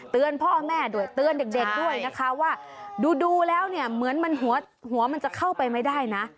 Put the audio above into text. พ่อแม่ด้วยเตือนเด็กด้วยนะคะว่าดูแล้วเนี่ยเหมือนมันหัวมันจะเข้าไปไม่ได้นะ